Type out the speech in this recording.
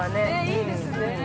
◆いいですね。